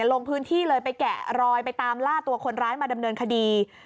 ลงพื้นที่เลยไปแกะรอยไปตามล่าตัวคนร้ายมาดำเนินคดี